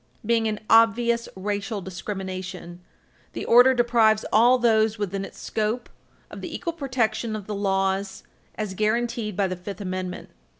Being an obvious racial discrimination, the Page 323 U. S. 235 order deprives all those within its scope of the equal protection of the laws as guaranteed by the Fifth Amendment.